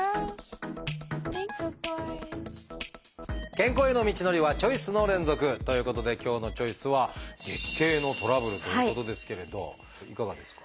健康への道のりはチョイスの連続！ということで今日の「チョイス」はいかがですか？